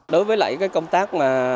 đối với lại công tác